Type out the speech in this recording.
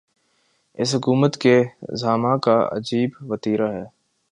اس حکومت کے زعما کا عجیب وتیرہ ہے۔